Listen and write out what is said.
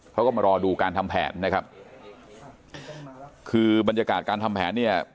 เขาก็มารอดูการทำแผนนะครับคือบรรยากาศการทำแผนเนี่ย